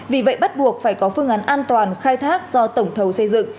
vì vậy bắt buộc phải có phương án an toàn khai thác do tổng thầu xây dựng